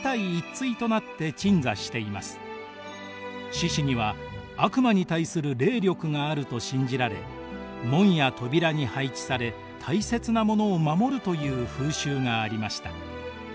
獅子には悪魔に対する霊力があると信じられ門や扉に配置され大切なものを守るという風習がありました。